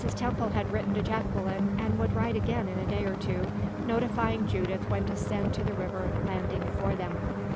Temple had written to Jacqueline, and would write again in a day or two, notifying Judith when to send to the river landing for them.